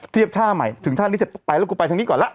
เทียบท่าใหม่ถึงท่านี้จะไปแล้วกูไปทางนี้ก่อนแล้ว